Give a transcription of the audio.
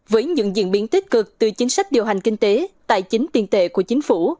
với những diễn biến tích cực từ chính sách điều hành kinh tế tài chính tiền tệ của chính phủ